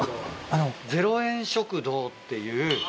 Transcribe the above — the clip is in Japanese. ０円食堂っていう。